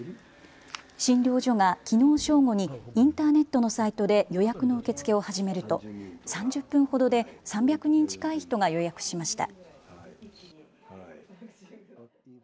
診療所がきのう正午にインターネットのサイトで予約の受け付けを始めると３０分ほどで３００人近い人が予約しました。